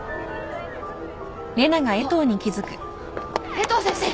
江藤先生！